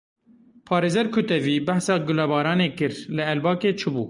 Parêzer Kutevî behsa gulebaranê kir; Li Elbakê çi bû?